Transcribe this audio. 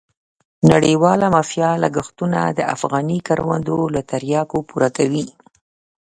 نړیواله مافیا لګښتونه د افغاني کروندو له تریاکو پوره کوي.